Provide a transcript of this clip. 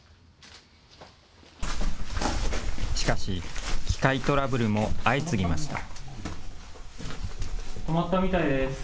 しかし機械トラブルも相次ぎました。